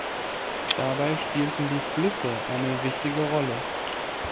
Dabei spielten die Flüsse eine wichtige Rolle.